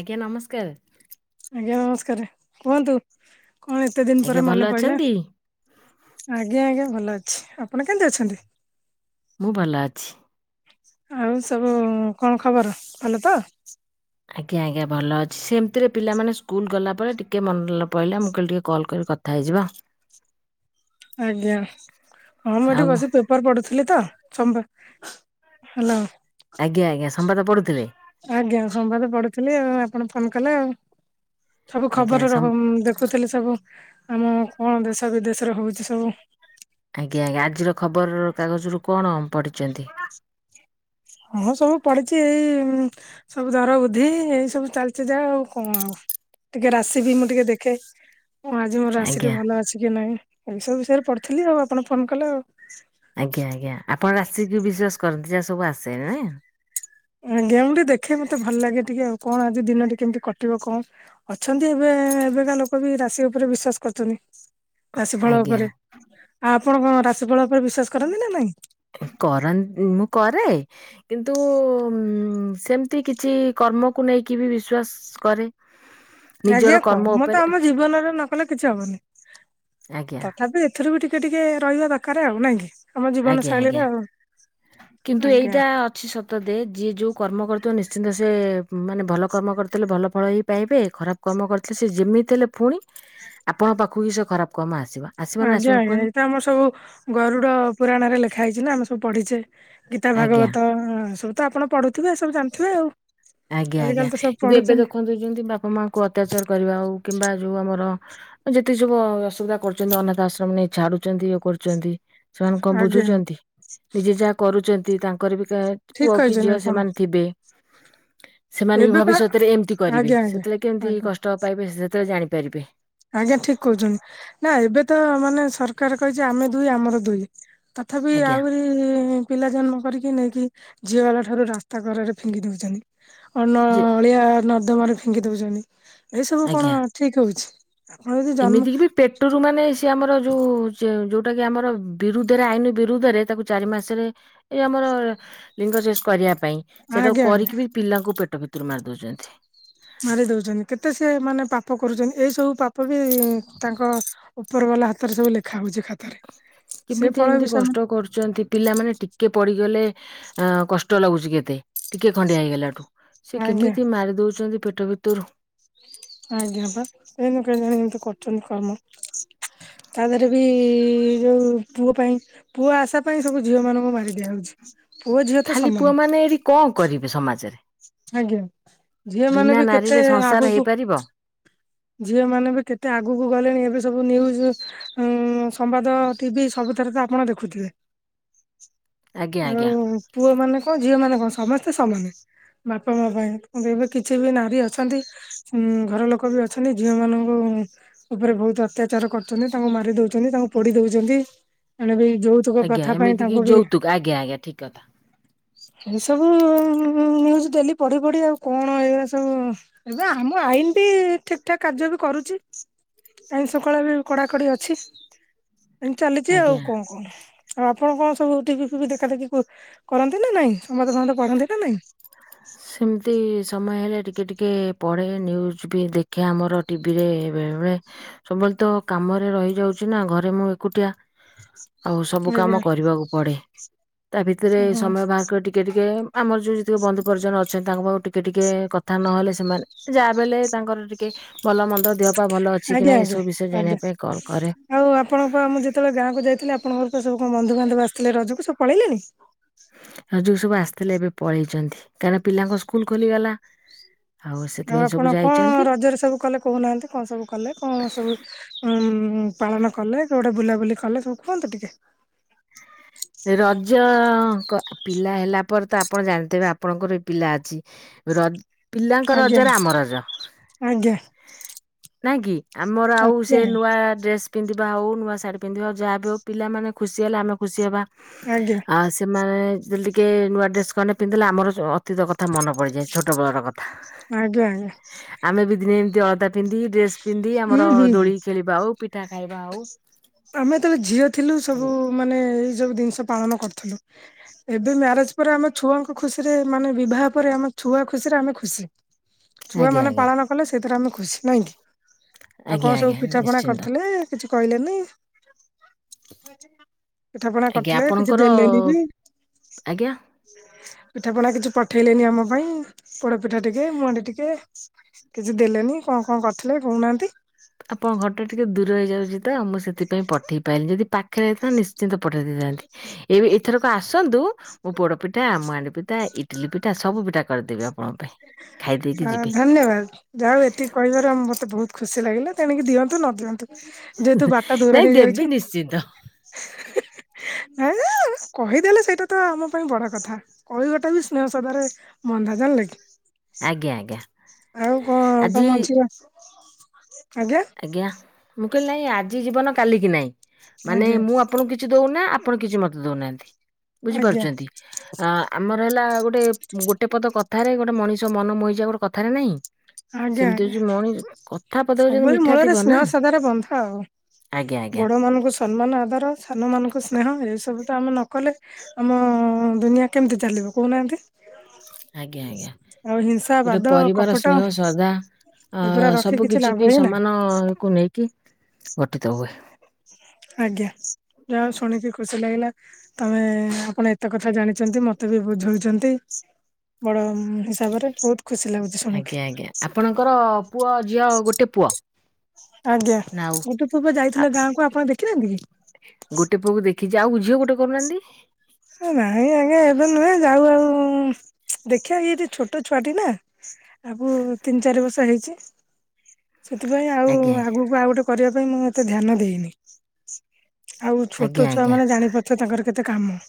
ଆଜ୍ଞା ନମସ୍କାର। ଆଜ୍ଞା, ନମସ୍କାର କୁହନ୍ତୁ, କଣ ଏତେ ଦିନ ଆଜ୍ଞା ପରେ ଭଲ ମନେ ପଇଲା। ଅଛନ୍ତି? ଆଜ୍ଞା, ଆଜ୍ଞା ଭଲ ଅଛି ଆପଣ କେମତି ଅଛନ୍ତି? ମୁଁ ଭଲ ଅଛି। ଆଉ ସବୁ କଣ ଖବର ଭଲ ତ ଆଜ୍ଞା, ଆଜ୍ଞା ଭଲ ଅଛି। ସେମିତିରେ ପିଲାମାନେ ସ୍କୁଲ ଗଲା ପରେ ଟିକେ ମନେ ପଡ଼ିଲା। ମୁଁ କହିଲି ଟିକେ କଲ୍ କରିିକି କ କଥା ହେଇଯିବା। ଆଜ୍ଞା, ମୁଁ ଏଠି ଆଉ ବସି ପେ ପେପର ପଡୁଥିଲେ ତ, ବା। ହେଲୋ। ଆଜ୍ଞା ଆଜ୍ଞା, ସମ୍ବାଦ ପଢ଼ୁଥିବେ? ଆଜ୍ଞା, ସମ୍ୱାଦ ପଢୁଥିଲି। ଆଉ ଆପଣ ଫୋନ କଲେ ଆଉ। ସବୁ ଆଜ୍ଞା ଖବର ସମ୍ ଦେଖୁଥିଲି ସବୁ। ଆମ କଣ ଦେଶ ବିଦେଶରେ ହଉଛି ସବୁ। ଆଜ୍ଞା, ଆଜିର ଖବର କାଗଜରୁ କଣ ପଢ଼ିଛନ୍ତି? ହଁ, ସବୁ ପଡ଼ିଛି ସବୁ ଦର ବୁଦ୍ଧି ଏଇ ସବୁ ଚାଲିଚି ଯାହା। ଆଉ କଣ? ଟିକେ ରାଶି ବି ମୁଁ ଟିକେ ଦେଖେ। ହଁ ଆଜି ମୋର ରାଶିଟି ଆଜ୍ଞା। ଭଲ ଅଛି କି ନାହିଁ। ଏସବୁ ବିଷୟରେ ପଢ଼ଥିଲି ଆଉ ଆପଣ ଫୋନ କଲେ ଆଉ ଆଜ୍ଞା, ଆଜ୍ଞା। ଆପଣ ରାଶି କି ବିଶ୍ୱାସ କରନ୍ତି, ଯାହା ସବୁ ଆସେ, ନାଁ? ଏମିତି ଏମିତି ଦେଖେ ମତେ ଭଲ ଲାଗେ ଟିକେ ଆଉ। କଣ ଆଜି ଦିନଟି କେମିତି କଟିବ କଣ? ଅଛନ୍ତି ଏବେ ଏବେକା ଲୋକ ବି ରାଶି ଉପରେ ବିଶ୍ୱାସ କରୁଛନ୍ତି। ରାଶି ଫଳ ଆଜ୍ଞା ଉପରେ। ଆଉ ଆପଣ କଣ ରାଶି ଫଳ ଉପରେ ବିଶ୍ଵାସ କରନ୍ତି ନା ନାଇଁ? କରନ୍ତ, ମୁଁ କରେ କିନ୍ତୁ, ଉ ସେମିତି କିଛି କର୍ମକୁ ନେଇକି ବି ବିଶ୍ଵାସ କରେ ନିଜର ଆଜ୍ଞା, କର୍ମ ତ ଉପରେ ଆମ ଜୀବନରେ ନ କଲେ କିଛି ହବନି। ଆଜ୍ଞା ତଥାପି ଏଥିରୁ ବି ଟିକେ ଟିକେ ରହିବା ଦରକାରେ। ଆଉ ନାଇଁ କି? ଆମ ଜୀବନ ଆଜ୍ଞା ଆଜ୍ଞା। ଶୈଳୀରେ ଆଉ। କିନ୍ତୁ ଆଜ୍ଞା। ଏଇଟା ଅଛି ସତ ଦେ ଯିଏ ଯୋଉ କର୍ମ କରୁଥିବ, ନିଶ୍ଚିନ୍ତ ସେ ମାନେ ଭଲ କର୍ମ କର ଥିଲେ ଭଲ ଫଳ ହିଁ ପାଇବେ। ଖରାପ କାମ କରିଥିଲେ ସେ ଯେମିତି ହେଲେ ଫୁଣି ଆପଣଙ୍କ ପାଖକୁ କି ସେ ଖରାପ କାମ ଆସିବ। ଆସିବ ନା ଆଜ୍ଞା ଆସିବନି ଆଜ୍ଞା। କୁହନି ଏଇତ ଆମର ସବୁ ଗରୁଡ ପୁରାଣରେ ଲେଖା ହେଇଛି ନା ଆମେ ସବୁ ପଢିଚେ। ଗୀତା ଆଜ୍ଞା ଭାଗବତ ସବୁ ତ ଆପଣ ପଢୁଥିବେ ସବୁ ଜାଣିଥିବେ ଆଉ। ଆଜିକାଲି ତ ସବୁ ପଢୁଛନ୍ତି। ଛନ୍ତି ବାପା [unintelligible] ମାଆଙ୍କୁ ଅତ୍ୟାଚାର କରିବା ଆଉ କିମ୍ବା ଯେଉଁ ଆମର ଯେତିକି ସବୁ ଅସୁବିଧା କରୁଛନ୍ତି। ଅନାଥ ଆଶ୍ରମ ନେଇ ଛାଡୁଛନ୍ତି ଇଏ କରୁଛନ୍ତି। ସେମାନେ କଣ ଆଜ୍ଞା ବୁଝୁଛନ୍ତି। ନିଜେ ଯାହା କରୁଛନ୍ତି ତାଙ୍କର ବି କେବେ ଠିକ ପୁଅ କି କହିଛନ୍ତି ଝିଅ ଆପଣ ସେମାନେ ଥିବେ। ସେମାନେ ବି ଏବେ ପା ଭବିଷ୍ୟତରେ ଏମିତି କରିବେ। ଆଜ୍ଞା ଆଜ୍ଞା। ସେଥିଲାଗି ତ ଏମତି ଆଜ୍ଞା କଷ୍ଟ ପାଇବେ ସେ ଯେତେବେଳେ ଜାଣିପାରିବେ। ଆଜ୍ଞା ଠିକ କହୁଛନ୍ତି। ନା ଏବେ ତ ମାନେ ସରକାର କହିଚି ଆମେ ଦୁଇ ଆମର ଦୁଇ। ତଥାପି ଆଜ୍ଞା ଆହୁରି ପିଲା ଜନ୍ମ କରିକି ନେଇକି ଝିଅ ବା ଠାରୁ ରାସ୍ତାଘରରେ ଫିଙ୍ଗି ଦଉଛନ୍ତି [unintelligible] ଯେ ଅଳିଆ ନର୍ଦ୍ଦମାରେ ଫିଙ୍ଗି ଦେଉଛନ୍ତି। ଏସବୁ କଣ ଠିକ ହଉଛି? ଆପଣ ଯଦି ଜନ୍ମ ଏମିତି କିି ବି ପେଟ ଟରୁ ମାନେ ସିଏ ଆମର ଯେଉଁ ଯେଉଁଟାକି ଆମର ବିରୁଦ୍ଧରେ ଆଇନ ବିରୁଦ୍ଧରେ ତାକୁ ଚାରି ମାସରେ ଏଇ ଆମର ଲିଙ୍ଗ ଶେଷ କରିବା ପାଇଁ ସେଟାକୁ ଆଜ୍ଞା ଆଜ୍ଞା। କରିକି ବି ପିଲାଙ୍କୁ ପେଟ ଭିତରୁ ମାରି ଦଉଛନ୍ତି। ମାରି ଦଉଛନ୍ତି। କେତେ ସେ ମାନେ ପାପ କରୁଛନ୍ତି। ଏଇ ସବୁ ପାପ ବି ତାଙ୍କ ଉପର ବାଲା ହାତରେ ସବୁ ଲେଖା ହଉଛି ଖାତାରେ। ସେ କେମିତି ଫଳ ଏମିତି ବି କଷ୍ଟ ସେମାନେ କରୁଛନ୍ତି? ପିଲାମାନେେ ଟିକେ ପଡିଗଲେ ଆଁ କଷ୍ଟ ଲାଗୁଚି କେତେ। ଟିକେ ଖଣ୍ଡିଆ ହେଇଗଲାଠୁ ସେ ଆଜ୍ଞା କେମିତି ମାରି ଦଉଚନ୍ତି ପେଟ ଭିତରୁ। ଆଜ୍ଞା ବା ଏଇନୁ କେଜାଣି ଏମିତି କରୁଚନ୍ତି କାମ। ତା ଦେହେରେ ବି ଯୋଉ ପୁଅ ପାଇଁ ପୁଅ ଆଶା ପାଇଁ ସବୁ ଝିଅ ମାନଙ୍କୁ ମାରି ଦିଆ ହଉଛି। ପୁଅ ଝିଅ ତ ଖାଲି ପୁଅ ସମାନ୍। ମାନେ ଏଠି କଣ କରିବେ ସମାଜରେ। ଆଜ୍ଞା। ଝିଅ ମାନେ ବିନା ବି କେତେ ନାରୀରେ ସଂସାର ଆଗକୁ ହେଇପାରିବ ଝିଅ ମାନେ ବି କେତେ ଆଗକୁ ଗଲେଣି ଏବେ ସବୁ ନିଉଜ୍ ଉଁ ସମ୍ବାଦ ଟିଭି ସବୁଥିରେ ତ ଆପଣ ଦେଖୁଥିବେ। ଆଜ୍ଞା ଆଉ ଆଜ୍ଞା। ପୁଅ ମାନେ କଁ ଝିଅ ମାନେ କଁ ସମସ୍ତେ ସମାନେ। ବାପା ମା ପାଇଁ କିନ୍ତୁ ଏବେ କିଛି ବି ନାରୀ ଅଛନ୍ତି ଉଁ ଘର ଲୋକ ବି ଅ ଅଛନ୍ତି ଝିଅ ମାନଙ୍କୁ ଉପରେ ବହୁତ ଅତ୍ୟାଚାର କରୁଚନ୍ତି ତାଙ୍କୁ ମାରି ଦଉଚନ୍ତି ତାଙ୍କୁ ପୋଡି ଦଉଚନ୍ତି ଏଣେ ବି ଯୋଉ ଆଜ୍ଞା ଏମିତି କି ଯୌତୁକ ଆଜ୍ଞା ଆଜ୍ଞା ଠିକ୍ କଥା। ଏ ସବୁଜ ନିଉଜ୍ ଡେଲି ପଢି ପଢି ଆଉ କଣ ଏଇଗୁରା ସବୁ ଏବେ ଆମ ଆଇନ୍ ଠିକ୍ ଠାକ୍ କାର୍ଯ୍ୟ ବି କରୁଚି ଆଇଁସ କଳା ବି କଡାକଡି ଅଛି। ଏମିତି ଚାଲିଚି ଆଉ ଆଜ୍ଞା। କଣ କଣ? ଆଉ ଆପଣ କଣ ସବୁ ଟିଭି ଫିଭି ଦେଖା ଦେେଖି କ କରନ୍ତି ନାଇଁ ସମ୍ବାଦ ଫମ୍ବାଦ ପଢନ୍ତି ନା ନାଇଁ? ହ ସେମିତି ସମୟ ହେଲେ ଟିକେ ଟିକେ ପଢ଼େ ନ୍ୟୁଜ୍ ବି ଦେଖେ ଆମର ଟିଭିରେ ବେଳେବେଳେ। ସବୁବେଳେ ତ କାମରେ ରହିଯାଉଚି ନା ଘରେ ମୁଁ ଏକୁଟିଆ। ଆଉ ସବୁ ଆଜ୍ଞା। କାମ କରିବାକୁ ପଡେ ତା ଭିତରେ ଓହୋ ସମୟ ବାହାର କରି ଟିକ୍ ଟିକେ ଟିକେ ଆମର ଯୋଉ ଯେତେକ ବନ୍ଧୁ ଵର୍ଜନ ଅଛନ୍ତି ତାଙ୍କ ପାଆକୁ ଟିକେ ଟିକେ କଥା ନହେଲେ ସେମାନେ ଯାହା ବେଲେ ତାଙ୍କର ଟିକ୍ କି ଭଲ ମନ୍ଦ ଦେହ ପାଅ ଭଲ ଅଛି କି ଆଜ୍ଞା ନାହିଁ ଆଜ୍ଞା ଏସବୁ ବିଷୟରେ ଜାଣିବା ଆଜ୍ଞା ପାଇଁ କଲ୍ କରେ। ଆଉ ଆପଣଙ୍କ ପା ମୁଁ ଯେତେବେଳେ ଗାଁକୁ ଯାଇଥିଲି ଆପଣଙ୍କର ତ ସବୁ କଣ ବନ୍ଧୁବାନ୍ଧବ ଆସିଥିଲେ ରଜକୁ ସବୁ ପଳେଇଲେଣି? ରଜକୁ ସବୁ ଆସିଥିଲେ ଏବେ ପଳେଇଚନ୍ତି କାହିଁକି ପିଲାଙ୍କ ସ୍କୁଲ ଖୋଲିଗଲା। ଆଉ ସେଥିପାଇଁ ସବୁ ଆପଣ କଣ ଯାଇଛନ୍ତି ରଜରେ ସବୁ କଲେ କହୁନାହାନ୍ତି କଣ ସବୁ କଲେ କଣ ସବୁ ଉଁ ପାଳନ କଲେ କୁଆଡେ ବୁଲାବୁଲି କଲେ ସବୁ କୁହନ୍ତୁ ଟିକେ। ହ ରଜ କ ପିଲା ହେଲା ପରେ ତ ଆପଣ ଜାଣିଥିବେ ଆପଣଙ୍କର ବି ପିଲା ଅଛି। ରଜ୍ ପିଲାଙ୍କ ଆଜ୍ଞା। ରଜରେ ଆମ ରଜ। ଆଜ୍ଞା ନାଇଁ କି? ଆମର ଆଉ ସେ ଆଜ୍ଞା ଆଜ୍ଞା ନୂଆ ଡ୍ରେସ୍ ପିନ୍ଧିବା ହଉ ନୂଆ ଶାଢୀ ପିନ୍ଧିବା ହଉ ଯାହାବି ହଉ ପିଲାମାନେେ ଖୁସି ଖୁସି ହେଲେ ଆମେ ଖୁସି ହବା। ଆଜ୍ଞା। ସେମାନେ ଯଦି ଟିକେ ନୂଆ ଡ୍ରେସ୍ ଖଣ୍ଡେ ପିନ୍ଧିଲେ ଆମର ଅତୀତ କଥା ମନେ ପଡ଼ିଯାଏ ଛୋଟବେେଳର କଥା। ଆଜ୍ଞା ଆଜ୍ଞା। ଆମେ ବି ଦିନେ ଏମିତି ଅଳଦା ପିନ୍ଧି ଡେସ୍ ପିନ୍ଧି ହୁଁ ଆମର ହୁଁ ହୁଁ। ଦୋଳି ଖେଳିବା ହଉ ପିଠା ଖାଇବା ଆମେ ଯେତେବେଳେ ଝିଅ ଥିଲୁ ସବୁ ହଉ ମାନେ ଏଇ ସବୁ ଜିନିଷ ପାଳନ କରୁଥୁଲୁ। ଏବେ ମ୍ୟାରେଜ୍ ପରେ ଆମ ଛୁଆଙ୍କ ଖୁସିରେ ମାନେ ବିବାହ ପରେ ଆମ ଛୁଆ ଖୁସିରେ ଆମେ ଖୁସି। ଆଜ୍ଞା ଛୁଆମାନେ ଆଜ୍ଞା ପାଳନ କଲେ ସେଇଥିରେ ଆମେ ଖୁସି ନାଇଁକି? ଆଉ ଆଜ୍ଞା କଣ ସବୁ ଆଜ୍ଞା ପିଠା ପଣା ନିଶ୍ଚିନ୍ତ କରିଥିଲେ କିଛି କହିଲେନି। ପିଠା ପଣା ଆଜ୍ଞା କରିଥିଲେ କିଛି ଆପଣଙ୍କର ଦେଲେନି ବି। ଆଜ୍ଞା। ପିଠା ପଣା କିଛି ପଠେଇଲେନି ଆମ ପାଇଁ ପୋଡ ପିଠା ଟିକେ ମୁହାଣ୍ଡି ଟିକେ। କିଛି ଦେଲେନି କଣ କଣ କରିଥିଲେ କହୁନାହାନ୍ତି। ଆପଣ ଘରଟା ଟିକିେ ଦୂର ହେଇଯାଉଛି ତ ମୁଁ ସେଥିପାଇଁ ପଠେଇ ପାରିଲିନି ଯଦି ପାଖରେ ଯଇଥାନ୍ତ ନିଶ୍ଚିନ୍ତ ପଠାଇ ଦେଇଥାନ୍ତି। ଏବେ ଏଥରକୁ ଆସନ୍ତୁ ମୁଁ ପୋଡ ପିଠା ମୁହାଣ୍ଡି ପିଠା ଇଟିଲି ପିଠା ସବୁ ପିଠା କରିଦେବି ଆ ଧନ୍ୟବାଦ। ଯା ହଉ ଏତିକି କହିବାର ଆ ମତେ ବହୁତ ଖୁସି ଲାଗିଲା ତେଣିକି ଦିଅନ୍ତୁ ନ ଦିଅନ୍ତୁ। ଯେହେତୁ ବାଟ ଦୂର ନାଇଁ ହେଇଯାଉଛି ଦେବି ନିଶ୍ଚିନ୍ତ। ହୁଁ। କହିଦେଲେ ସେଇଟା ତ ଆମ ପାଇଁ ବଡ କଥା କହିବଟା ବି ସ୍ନେହ ସଦାରେ ବନ୍ଦା ଜାଣିଲକି। ଆଜ୍ଞା ଆଜ୍ଞା ଆଉ କଣ ଆଜି ତମ ଝିଅ ଆଜ୍ଞା। ଆଜ୍ଞା ମୁଁ କହିଲି ନାଇଁ ଆଜି ଜୀବନ କାଲିକି ନହିଁ ମାନେ ଆଜ୍ଞା ମୁଁ ଆପଣଙ୍କୁ କିଛି ଦଉନା ଆପଣ କିଛି ମତ ଦଉନାହାନ୍ତି ଆଜ୍ଞା ବୁଝିପାରୁଛନ୍ତି। ଆମର ହେଲା ଗୋଟେ ଗୋଟେ ପଦ କଥାରେ ଗୋଟେ ମଣିଷ ମନ ମହିଯା ଗୋଟେ କଥାରେ ନାହିଁ। ଆଜ୍ଞା ସେମିତି ହଉ ଆଜ୍ଞା ଯଉ ମଣି କଥାବତା ହଉଛନ୍ତି ସବୁବେଳେ ମିଠ ବଡ ଆଜ୍ଞା ଆଜ୍ଞା ମାନକୁ ସମ୍ମାନ ଆଦର ସାନମାନଙ୍କୁ ସ୍ନେହ ଏସବୁ ତ ଆମେ ନ କଲେ ଆମ ଦୁନିଆ କେମିତି ଚାଲିବ କହୁନାହାନ୍ତି। ଆଜ୍ଞା ଆଜ୍ଞା ଆଉ ହିଂସା ଗୋଟେ ବାଦ ପରିବାର କପଟ ସ୍ନେହ ସଦା ଏଗୁରା ରଖି ସବୁ କିଛି ଲାଭ କି ହିଁ ନାହିଁ ସମାନ କ ନେଇକି ଗଠିତ ହୁଏ। ଆଜ୍ଞା ଯାହା ହଉ ଶୁଣିକି ଖୁସି ଲାଗିଲା। ତମେ ଆପଣ ଏତେ କଥା ଜାଣିଛନ୍ତି ମତେ ବି ବୁଝଉଛନ୍ତି। ବଡ ହିସାବରେ ବହୁତ ଖୁସି ଲାଗୁଛି। ଶୁଣିକି ଆଜ୍ଞା ଆଜ୍ଞା ଆପଣଙ୍କର ପୁଅ ଝିଅ ଗୋଟେ ପୁଅ। ଆଜ୍ଞା ନା ଆଉ ଗୋଟିଏ ପୁଅ ଆ ଯାଇଥିଲ ଗାଁକୁ ଆପଣ ଦେଖିନାହାନ୍ତି କି? ଗୋଟେ ପୁଅକୁ ଦେଖିଛି ଆଉଝିଅ ଗୋଟେ କରୁନାହାନ୍ତି। ନାଇଁ ଆଜ୍ଞା ଏବେ ନୁହେଁ ଯାଉ ଆଉ ଦେଖିବା କି ଏଠି ଛୋଟ ଛୁଆଟି ନା। ଆକୁ ତିନି ଚାରି ବର୍ଷ ହେଇଛି। ସେଥିପାଇଁ ଆଉ ଆଜ୍ଞା ଆଗକୁ ଆଉ ଗୋଟେ କରିବା ପାଇଁ ମୁଁ ଏତେ ଧ୍ୟାନ ଦେଇନି। ଆଉ ଆଜ୍ଞା ଛୋଟ ଛୁଆ ଆଜ୍ଞା ମାନେ ଜାଣିପାରୁଛ ତାଙ୍କର କେତେ କାମ।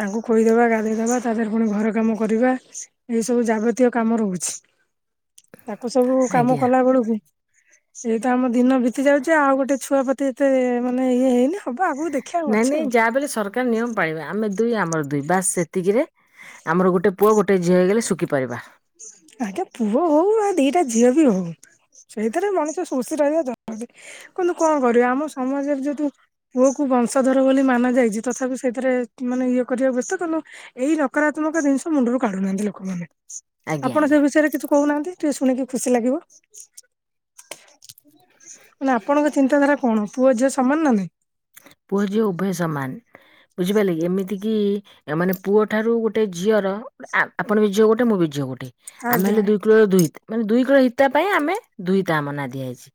ତାଙ୍କୁ କହିଦବା ଗାଧେଇଦବା ତା ଦେହରେ ପୁଣି ଘର କାମ କରିବା। ଏଇ ସବୁ ଜାଗତୀୟ କାମ ରହୁଛି। [unintelligible] ତାକୁ ସବୁ କାମ ଆଜ୍ଞା। କଲା ବେଳକୁ ଏଇ ତ ଆମ ଦିନ ବିତି ଯାଉଛି ଆଉ ଗୋଟେ ଛୁଆପତି ଏତେ ମାନେ ଇଏ ହେଇନି ହବ ଆଗକୁ ଦେଖ ନାଇଁ ନାଇଁ ଯାହା ବଳେ ସରକାର ନିୟମ ପାଳିବ ଆମେ ଦୁଇ ଆମର ଦୁଇ ବାସ ସେତିକିରେ ଆମର ଗୋଟେ ପୁଅ ଗୋଟେ ଝି ହେଇଗଲେ ଶୁଖିପରିବା ଆଟା ପୁଅ ହଉ ଆଉ ଦିଟା ଝିଅ ବି ହଉ। ସେଇଥିରେ ମଣିଷ ଖୁସୀ ରହିବା ଜରୁୀ କିନ୍ତୁ କଣ କରିବି ଆମ ସମାଜରେ ଯଦ ପୁଅ କୁ ବଂଶଧର ବୋଲି ମାନ ଯାଇଛି ତଥାପି ସେଇଥିରେ ମାନେ ଇଏ କରିବାକୁ ବ୍ୟସ୍ତ ଏଇ ନକାରାତ୍ମକ ଜିନିଷ ମୁଣ୍ଡରୁ କାଢୁନାହାନ୍ତି ଲୋକମାନେ। ଆଜ୍ଞା ଆପଣ ସେ ଆଜ୍ଞା ବିଷୟରେ କିଛି କହୁନାହାନ୍ତି ଟିକେ ଶୁଣିକି ଖୁସି ଲାଗିବ। ମାନେ ଆପଣଙ୍କ ଚିନ୍ତାଧାରା କଣ ପୁଅ ଝିଅ ସମାନ ନା ନାଇଁ। ପୁଅ ଝିଅ ଉଭୟ ସମାନ। ବୁଝିପାରିଲେ ଏମିତିକ ମାନେ ପୁଅ ଠାରୁ ଗୋଟେ ଝିଅର ଆପଣ ବି ଝିଅ ଗୋଟେ ମୁଁ ବି ଝିଅ ଗୋଟେ ଆମେ ଆଜ୍ଞା ହେଲେ ଦୁଇ କିଲୋର ମାନେ ଦୁଇ କିଲୋ ହିତା ପାଇଁ ଆମେ ଦୁଇତା ଆମ ନା ଦିଆହେଇଛି।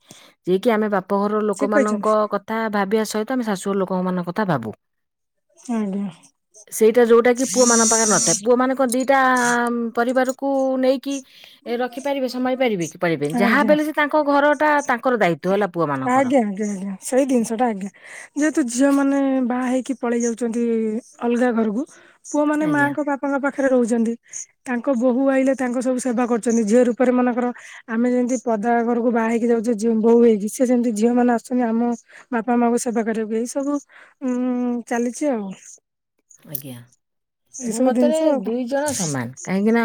ଯିଏ କିି ଆମେ ବାପଘର ଠିକ କହିଛନ୍ତି ଲୋକମାନଙ୍କ କଥା ଭାବିବା ସହି ତ ଆମେ ଶାଶୁୁଘର ଲୋକଙ୍କ ମାନ କଥା ଭାବୁ। ଆଜ୍ଞା ସେଇଟା ଯୋଉଟା କି ପୁଅ ମାନଙ୍କ ପାଖରେ ନଥାଏ। ପୁଅ ମାନଙ୍କ ଦିଇଟା ପରିବାରକୁ ନେଇକି ଏ ରଖିପାରିବେ ସମାଳି ପାରିବେ କି, ପାରିବେନି। ଯାହା ଆଜ୍ଞା। ଦେଲେ ସେ ତାଙ୍କ ଘର ଟା ତାଙ୍କର ଦାୟିତ୍ଵ ହେଲା, ପୁଅ ମାନଙ୍କର। ଆଜ୍ଞା ଆଜ୍ଞା ସେଇ ଦିନିଷଟା ଆଜ୍ଞା। ଯେହେତୁ ଝିଅ ମାନେ ବାହା ହେଇକି ପଳେଇ ଯାଉଛନ୍ତି ଅଲଗା ଘରକୁ ପୁଅ ମାନେ ଆଜ୍ଞା ମାଙ୍କ ବାପାଙ୍କ ପାଖ ପାଖରେ ରହୁଛନ୍ତି। ତାଙ୍କ ବୋହୂ ଆଇଲେ ତାଙ୍କ ସବୁ ସେବା କରୁଛନ୍ତି। ଝିଅ ରୂପରେ ମାନଙ୍କର ଆମେ ଯେନ୍ତି ପଦା ଘରକୁ ବାହା ହେଇକି ଯାଉଚେ ଝିଅ ବୋହୁ ହେଇକି, ସିଏ ସେନ୍ତି ଝିଅ ମାନେ ଆସୁଛନ୍ତି ଆମ ବାପା ମାଙ୍କୁ ସେବା କରିବାକୁ, ଏଇ ସବୁ ଉଁ ଚାଲିଛି ଆଉ। ଆଜ୍ଞା। ଏଇ ମୋ ସବୁ ମତରେ ଜିନିଷ ଆଉ ଦୁଇ ଜଣ ସମାନ। କାହିଁକି ନା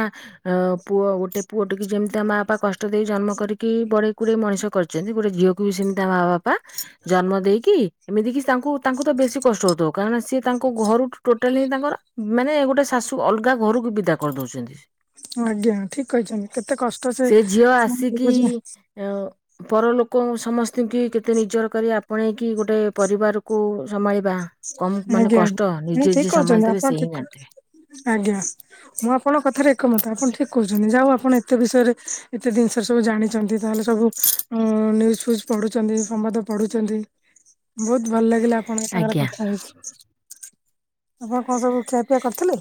ଅ ପୁଅ ଗୋଟେ ପୁଅ ଟିକି ଯେମିତି ତା ମା ବାପା କଷ୍ଟ ଦେଇ ଜନ୍ମ କରିକି ବଡେଇ କୁଡେଇ ମଣିଷ କରି ଛନ୍ତି, ଗୋଟେ ଝିଅକୁ ବି ସେମତି ତା ମା ବାପା ଜନ୍ମ ଦେଇକି ଏମିତି କି ତାଙ୍କୁ ତାଙ୍କୁ ତ ବେଶୀ କଷ୍ଟ ହଉଥିବ କାରଣ ସିଏ ତାଙ୍କ ଘରୁଠୁ ଟଲ ହିଁ ତାଙ୍କର ମାନେ ଗୋଟେ ଶାଶୁ ଅଲଗା ଘରକୁ ବିଦା କରି ଦଉଛନ୍ତି। ଆଜ୍ଞା, ଠିକ କହିଛନ୍ତି। କେତେ କଷ୍ଟ ସେ [unintelligible] ଅଁ ପରଲୋକଙ୍କୁ ସମସ୍ତିଙ୍କି କେତେ ନିଜର କରି ଆପଣେଇକି ଗୋଟେ ପରିବାରକୁ ସମାଳିବା କମ ମାନେ ଆଜ୍ଞା କଷ୍ଟ। ନି ନାଇଁ ଠିକ କହୁଛନ୍ତି, ଆପଣ ଠିକ କ, ଆଜ୍ଞା। ମୁଁ ଆପଣଙ୍କ କଥାରେ ଏକମତ। ଆପଣ ଠିକ କହୁଛନ୍ତି। ଯାହାହଉ ଆପଣ ଏତେ ବିଷୟରେ ଏତେ ଦିନିଷ ସେ ସବୁ ଜାଣିଛନ୍ତି ତାହେଲେ ସବୁ ଉଁ ନ୍ୟୁଜ ଫ୍ୟୁଜ ପଢୁଛନ୍ତି, ସମ୍ବାଦ ପଢୁଛନ୍ତି। ବହୁତ୍ ଭଲ ଲାଗିଲା ଆପଣଙ୍କ ସାଙ୍ଗରେ ଆଜ୍ଞା କଥା ଆପଣ କଣ ସବୁ ଖିଆପିଆ କରିଥିଲେ?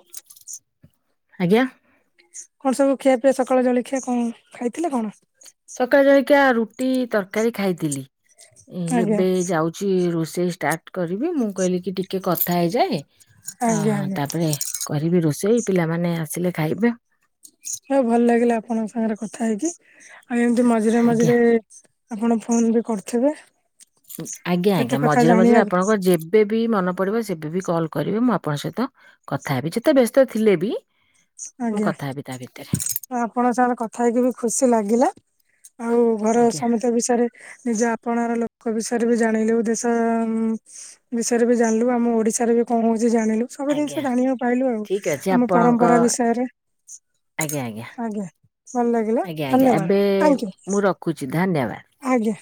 ଆଜ୍ଞା? କଣ ସବୁ ଖିଆ ପିଆ ସକାଳ ଜଳିଖିଆ କଣ ଖାଇଥିଲେ କଣ? ସକାଳେ ଜଳଖିଆ ରୁଟି ତରକାରୀ ଖାଇଥିଲି। ଆଜ୍ଞା ଏବେ ଯାଉ ଚି ରୋଷେଇ ଷ୍ଟାର୍ଟ କରିବି। ମୁଁ କହିଲି କିି ଟିକିଏ କଥା ହେଇଯାଏ। ଆଜ୍ଞା ଆଁ ଆଜ୍ଞା ତାପରେ କରିବି ରୋଷେଇ, ପିଲାମାନେ ଆସିଲେ ଖାଇବେ। ହଉ ଭଲ ଲାଗିଲା ଆପଣଙ୍କ ସାଙ୍ଗରେ କଥା ହେଇକି। ଆଉ ଏମିତି ମଝିରେ ଆଜ୍ଞା। ମଝିରେ ଆପଣ ଫୋନ ବି କରୁଥିବେ। ଆଜ୍ଞା କେତେ ଆଜ୍ଞା। କଥା ମଝିରେ ମଝିରେ ଜାଣିବାକୁ ଆପଣଙ୍କ ଯେବେ ଯେବେ ବି ମନ ପଡିବ ସେବେ ବି କଲ୍ କରିବେ, ମୁଁ ଆପଣଙ୍କ ସହିତ କଥା ହେବି। ଯେତେ ବ୍ୟସ୍ତ ଥିଲେ ବି ମୁଁ ଆଜ୍ଞା। କଥା ହେବି ତା ଭିତରେ ଆପଣଙ୍କ ସାଙ୍ଗରେ କଥା ହେଇକି ବି ଖୁସି ଲାଗିଲା। ଆଉ ଘରେ ଆଜ୍ଞା ସମତକ ବିଷୟରେ ନିଜ ଆପଣାର ଲୋକ ବିଷୟରେ ବି ଜାଣିଲେ ଓଡିଶା ବିଷୟରେ ବି ଜାଣିଲୁ। ଆମ ଓଡିଶାରେ ବି କଣ ହଉଛି ଜାଣିଲୁ। ସବୁ ଜିନିଷ ଆଜ୍ଞା। ଜାଣିବାକୁ ପାଇଲୁ ଆଉ। ଠିକ ଅଛି ଆମ ପରମ୍ପ ଆପଣଙ୍କ ଖରା ବିଷୟରେ, ଆଜ୍ଞା। ଭଲଲାଗିଲା। ଧନ୍ୟବାଦ, ଥ୍ୟାଙ୍କ ୟୁ। କୁଛି ଧନ୍ୟବା ଆଜ୍ଞା।